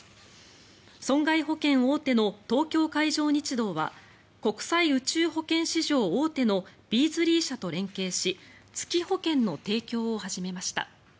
損害保険大手の東京海上日動は国際宇宙保険市場大手のＢｅａｚｌｅｙ社と連携し月保険の提供を始めました。